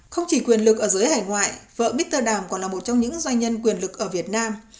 không chỉ quyền lực ở dưới hải ngoại vợ biterdam còn là một trong những doanh nhân quyền lực ở việt nam